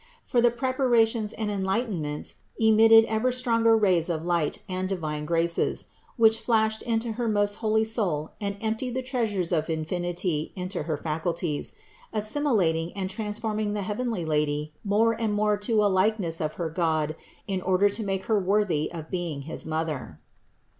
For the preparations and enlighten ments emitted ever stronger rays of light and divine graces, which flashed into her most holy soul and emptied the treasures of infinity into her faculties, assimilating and transforming the heavenly Lady more and more to a likeness of her God in order to make Her worthy of being his Mother.